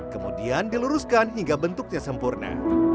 kemudian diluruskan hingga bentuknya sempurna